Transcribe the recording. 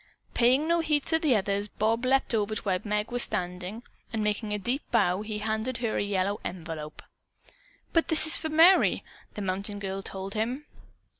Paying no heed to the others, Bob leaped over to where Meg was standing, and making a deep bow, he handed her a yellow envelope. "But this is for Merry," the mountain girl told him.